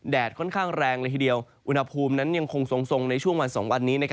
ค่อนข้างแรงเลยทีเดียวอุณหภูมินั้นยังคงทรงในช่วงวัน๒วันนี้